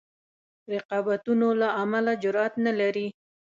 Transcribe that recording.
رقابتونو له امله جرأت نه لري.